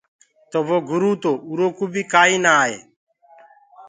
تو وو گُروُ تو اُرو ڪوُ آئو ڪوُ ئي ڪآئي نآ آئي۔